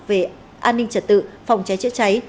về an ninh trật tự phòng cháy chữa cháy